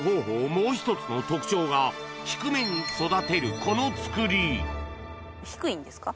もう１つの特徴が低めに育てるこのつくり低いんですか？